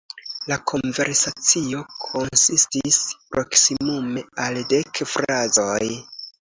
La konversacio konsistis proksimume al dek frazoj.